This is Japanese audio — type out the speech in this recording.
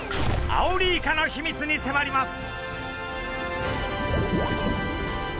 アオリイカの秘密にせまります！